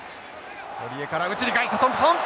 堀江から内に返してトンプソン！